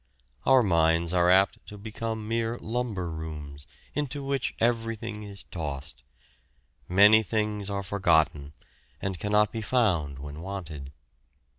Our minds are apt to become mere lumber rooms, into which everything is tossed. Many things are forgotten, and cannot be found when wanted.